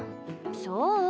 そう？